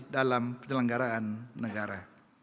dalam penyelenggaraan negara